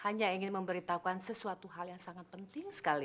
hanya ingin memberitahukan sesuatu hal yang sangat penting sekali